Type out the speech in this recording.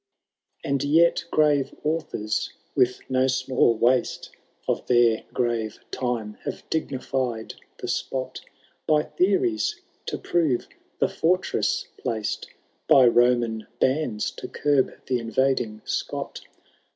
And yet gmre authors, with no small waste Of their gmre time, have dignified the spot By theories, to prore the fortress placed By Roman huida, to curb the iuTsding Scot.